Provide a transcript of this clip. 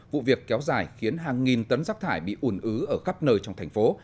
vụ việc kéo dài khiến hàng nghìn tấn rác thải bị ủn ứ ở khắp nơi trong thành phố